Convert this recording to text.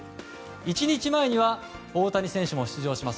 １日前には大谷選手も出場します